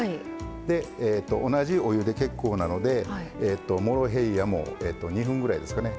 で同じお湯で結構なのでモロヘイヤも２分ぐらいですかね